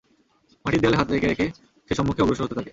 মাটির দেয়ালে হাত রেখে রেখে সে সম্মুখে অগ্রসর হতে থাকে।